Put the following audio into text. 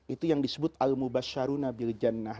itu yang disebut al mubashsharuna fil jannah